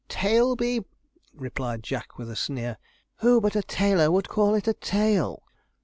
'Tail be !' replied Jack, with a sneer; 'who but a tailor would call it a tail?'